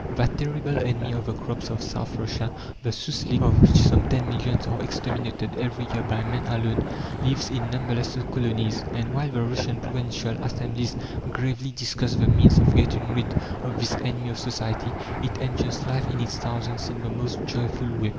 That terrible enemy of the crops of South Russia the souslik of which some ten millions are exterminated every year by man alone, lives in numberless colonies; and while the Russian provincial assemblies gravely discuss the means of getting rid of this enemy of society, it enjoys life in its thousands in the most joyful way.